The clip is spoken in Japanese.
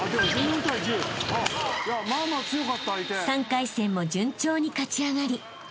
［３回戦も順調に勝ち上がり］